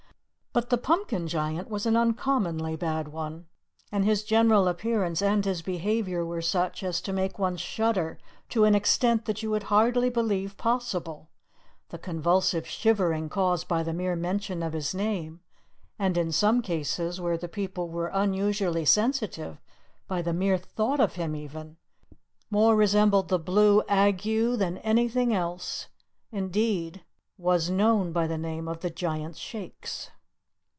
But the Pumpkin Giant was an uncommonly bad one, and his general appearance and his behaviour were such as to make one shudder to an extent that you would hardly believe possible. The convulsive shivering caused by the mere mention of his name, and, in some cases where the people were unusually sensitive, by the mere thought of him even, more resembled the blue ague than anything else; indeed was known by the name of "the Giant's Shakes."